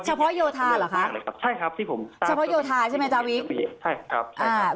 เฉพาะโยธาเหรอคะใช่ครับที่ผมอ่าเฉพาะโยธาใช่ไหมจ๊ะวิใช่ครับอ่า